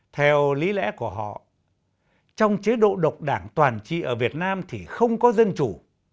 theo lý lẽ của họ trong chế độ độc đảng toàn trị ở việt nam thì không có dân chủ